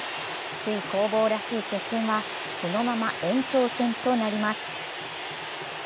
首位攻防らしい接戦はそのまま延長戦となります。